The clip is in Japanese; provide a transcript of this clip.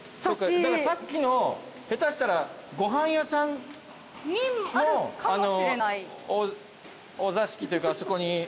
さっきの下手したらご飯屋さんのお座敷というかあそこに。